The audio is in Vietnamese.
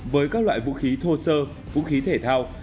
với các loại vũ khí thô sơ vũ khí thể thao